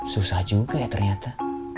susah juga ya ternyata